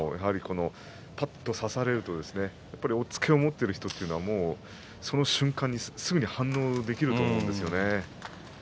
ぱっと差されると押っつけを持っている人はその瞬間にすぐに反応できると思うんですよね。